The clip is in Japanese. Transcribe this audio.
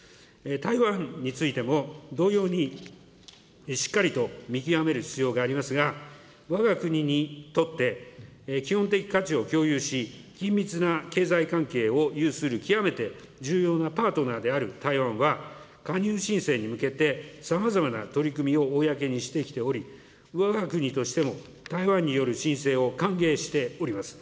台湾についても同様にしっかりと見極める必要がありますが、わが国にとって、基本的価値を共有し、緊密な経済関係を有する極めて重要なパートナーである台湾は、加入申請に向けて、さまざまな取り組みを公にしてきており、わが国としても台湾による申請を歓迎しております。